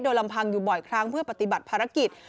โดยลำพังอยู่บ่อยครั้งเพื่อปฏิบัติภารกิจ